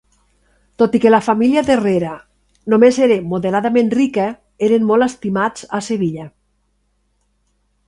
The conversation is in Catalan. Tot i que la família d'Herrera només era moderadament rica, eren molt estimats a Sevilla.